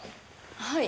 はい。